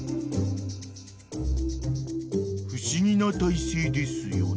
［不思議な体勢ですよね］